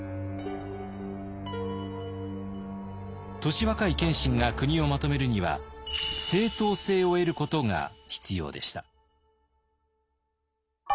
年若い謙信が国をまとめるには正統性を得ることが必要でした。